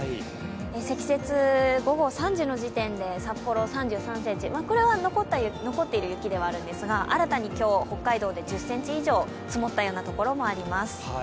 積雪、午後３時の時点で札幌３３ｃｍ、これは残っている雪ではあるんですが、新たに今日、北海道で１０ｃｍ以上積もったような所もあります。